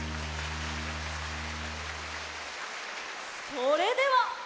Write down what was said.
それでは。